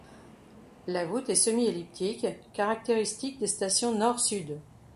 La voûte est semi-elliptique, caractéristique des stations Nord-Sud.